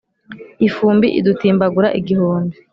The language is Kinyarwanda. Ifumbi idutimbagura igihumbi